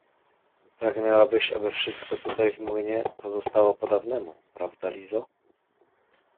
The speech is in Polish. — Pragnęłabyś, aby wszystko tutaj w młynie pozostało po dawnemu, prawda, Lizo?